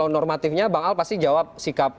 normatifnya bang al pasti jawab sikap